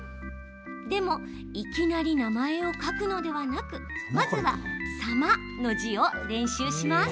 でもいきなり名前を書くのではなくまずは「様」の字を練習します。